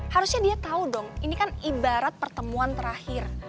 harusnya dia tahu dong ini kan ibarat pertemuan terakhir